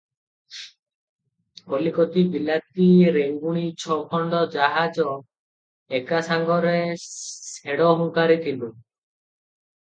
କଲିକତି, ବିଲାତି, ରେଙ୍ଗୁଣୀ ଛ ଖଣ୍ଡ ଜାହାଜ ଏକାସାଙ୍ଗରେ ଶେଡ଼ ହଙ୍କାରିଥିଲୁଁ ।